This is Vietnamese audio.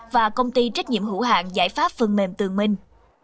và công ty trách nhiệm hữu hạng giải pháp phần mềm tường minh